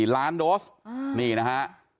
ล้านโดสนี่นะฮะ